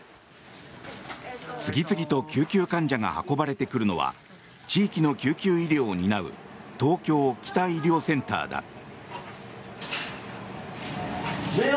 次々と救急患者が運ばれてくるのは地域の救急医療を担う東京北医療センターだ。